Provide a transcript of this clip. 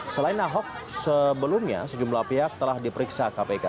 selain ahok sebelumnya sejumlah pihak telah diperiksa kpk